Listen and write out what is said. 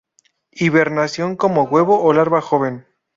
Hibernación como huevo o larva joven.